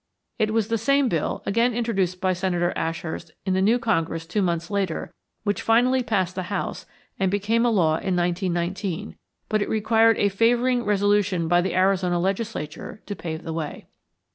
It was the same bill, again introduced by Senator Ashurst in the new Congress two months later, which finally passed the House and became a law in 1919; but it required a favoring resolution by the Arizona legislature to pave the way.